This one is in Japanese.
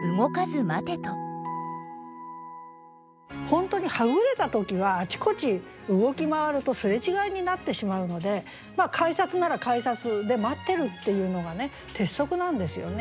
本当にはぐれた時はあちこち動き回るとすれ違いになってしまうので改札なら改札で待ってるっていうのが鉄則なんですよね。